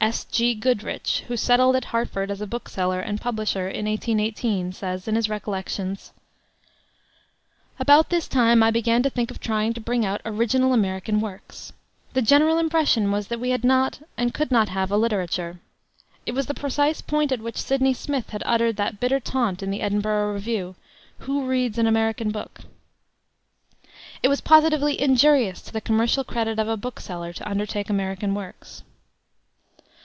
S. G. Goodrich, who settled at Hartford as a bookseller and publisher in 1818, says, in his Recollections: "About this time I began to think of trying to bring out original American works. ... The general impression was that we had not, and could not have, a literature. It was the precise point at which Sidney Smith had uttered that bitter taunt in the Edinburgh Review, 'Who reads an American book?' ... It was positively injurious to the commercial credit of a bookseller to undertake American works."